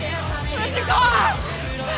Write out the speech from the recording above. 藤子